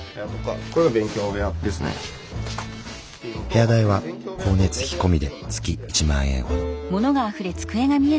部屋代は光熱費込みで月１万円ほど。